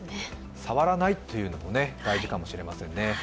触らないというのも大事かもしれませんね。